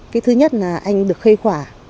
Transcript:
cái thứ nhất là anh được khê khỏa